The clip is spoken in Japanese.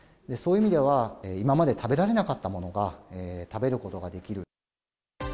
そういう意味では、今まで食べられなかったものが食べることができる。